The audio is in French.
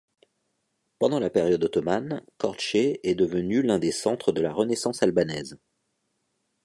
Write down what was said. Pendant la période ottomane, Korçë est devenue l'un des centres de la renaissance albanaise.